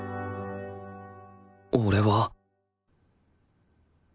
俺は